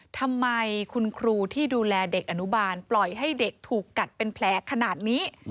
ทำไมคุณครูที่ดูแลเด็กอนุบาลปล่อยให้เด็กถูกกัดเป็นแผลขนาดนี้